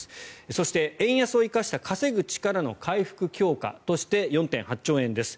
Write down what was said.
そして、円安を生かした稼ぐ力の回復強化として４．８兆円です。